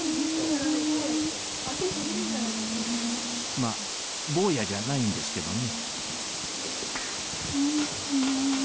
まっ坊やじゃないんですけどね